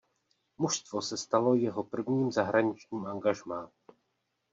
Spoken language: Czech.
Mužstvo se stalo jeho prvním zahraničním angažmá.